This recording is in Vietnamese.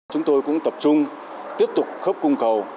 chúng tôi cũng tập trung tiếp tục khớp cung cầu